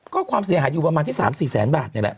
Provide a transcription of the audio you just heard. ก็ความเสียหายอยู่ประมาณที่๓๔แสนบาทนี่แหละ